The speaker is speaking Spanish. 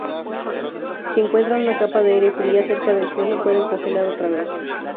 Si encuentran una capa de aire fría cerca del suelo, pueden congelar otra vez.